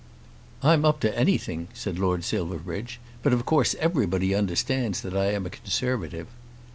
"I'm up to anything," said Lord Silverbridge; "but of course everybody understands that I am a Conservative."